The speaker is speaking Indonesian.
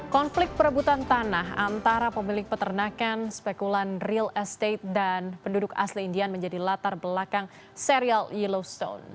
konflik perebutan tanah antara pemilik peternakan spekulan real estate dan penduduk asli indian menjadi latar belakang serial yellowstone